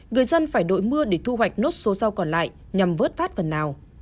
người dân phải đổi mưa để thu hoạch nốt số rau còn lại nhằm vớt phát vần nào